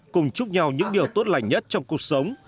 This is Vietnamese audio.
cùng chúc nhau những điều tốt lành nhất trong cuộc sống